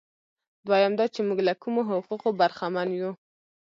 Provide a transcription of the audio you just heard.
دویم دا چې موږ له کومو حقوقو برخمن یو.